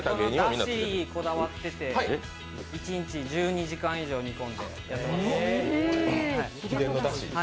だしにこだわってて、一日１２時間以上煮込んでいます。